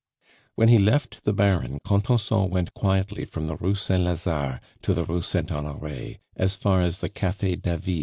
When he left the Baron, Contenson went quietly from the Rue Saint Lazare to the Rue Saint Honore, as far as the Cafe David.